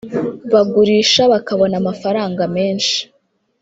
bagurisha bakabona amafaranga menshi